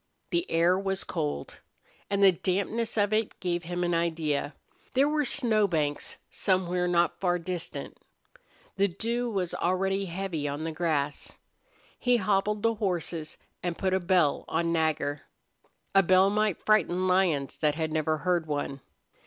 The air was cold. And the dampness of it gave him an idea there were snow banks somewhere not far distant. The dew was already heavy on the grass. He hobbled the horses and put a bell on Nagger. A bell might frighten lions that had never heard one.